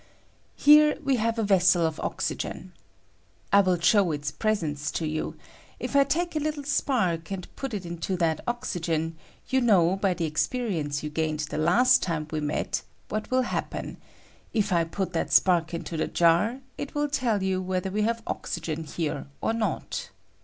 Here we have a ves sel of oxygen. I will show its presence to I you : if I take a little spark and put it into that t oxygen, you know by the experience you gain I ed the last time we met what will happen — if I I put that spark into the jar, it will teU you ■whether we have oxygen here or not.